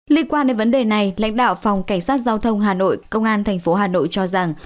liên quan đến vấn đề này lãnh đạo phòng cảnh sát giao thông hà nội công an tp hà nội cho rằng